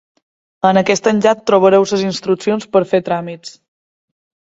En aquest enllaç trobareu les instruccions per fer tràmits.